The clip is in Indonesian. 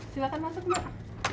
silahkan masuk mbak